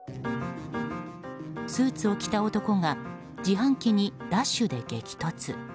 スーツを着た男が自販機にダッシュで激突。